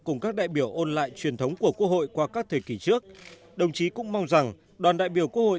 cùng các đại biểu ôn lại truyền thống của quốc hội qua các thời kỳ trước đồng chí cũng mong rằng đoàn đại biểu quốc hội